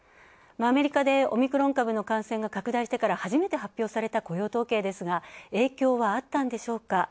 アメリカでオミクロン株の感染が拡大してから初めて発表された雇用統計ですが、影響はあったんでしょうか。